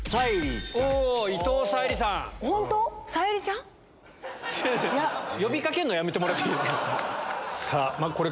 本当⁉呼び掛けるのやめてもらっていいですか。